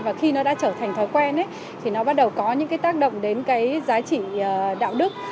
và khi nó đã trở thành thói quen thì nó bắt đầu có những cái tác động đến cái giá trị đạo đức